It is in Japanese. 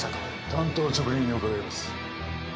単刀直入に伺います。